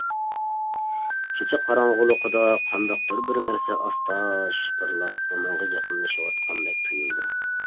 كېچە قاراڭغۇلۇقىدا قانداقتۇر بىرنەرسە ئاستا شىپىرلاپ ئۇنىڭغا يېقىنلىشىۋاتقاندەك تۇيۇلدى.